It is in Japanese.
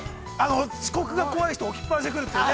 ◆遅刻が怖い人起きっぱなしで来るっていうね。